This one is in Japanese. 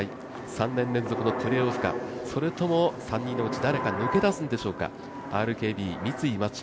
３年連続のプレーオフか、それとも３人のうち誰か抜け出すんでしょうか、ＲＫＢ×三井松島